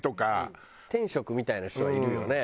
天職みたいな人はいるよね